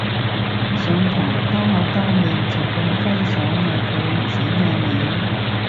上堂兜口兜面就噉揮手嗌佢唔使嗌名